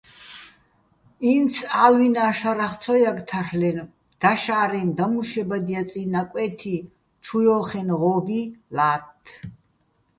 ინც ა́ლვინა შარახ ცო ჲაგე̆ თარლ'ენო̆, დაშა́რე, დამუშებადჲაწიჼ ნაკვე́თი, ჩუ ჲო́ხენო̆ ღო́ბი ლა́თთ.